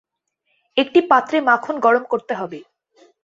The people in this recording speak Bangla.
একটি পাত্রে মাখন গরম করতে হবে।